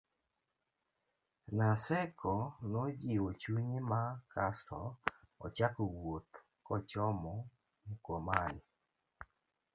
Naseko nojiwo chunye ma kasto ochako wuoth kochomo Mkomani